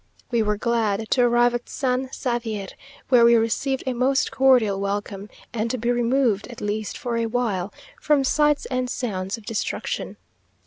We were glad to arrive at San Xavier, where we received a most cordial welcome, and to be removed, at least for a while, from sights and sounds of destruction.